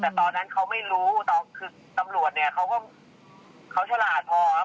แต่ตอนนั้นเขาไม่รู้คือตำรวจเนี่ยเขาก็เขาฉลาดพอครับ